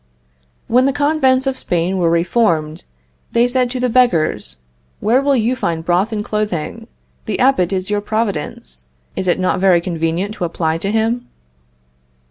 When the convents of Spain were reformed, they said to the beggars, "Where will you find broth and clothing? The Abbot is your providence. Is it not very convenient to apply to him?"